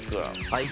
はい。